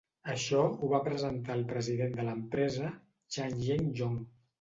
Això ho va presentar el president de l'empresa, Chang Yeng Yong.